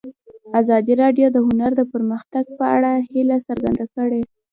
ازادي راډیو د هنر د پرمختګ په اړه هیله څرګنده کړې.